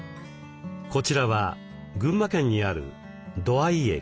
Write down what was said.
こちらは群馬県にある土合駅。